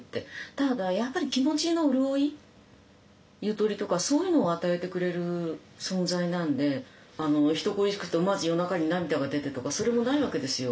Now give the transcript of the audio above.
ただやっぱり気持ちの潤いゆとりとかそういうのを与えてくれる存在なんで人恋しくて思わず夜中に涙が出てとかそれもないわけですよ。